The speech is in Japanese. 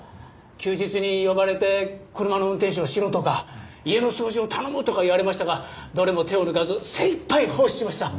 休日に呼ばれて車の運転手をしろとか家の掃除を頼むとか言われましたがどれも手を抜かず精いっぱい奉仕しました！